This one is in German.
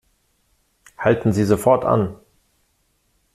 Halten Sie sofort an!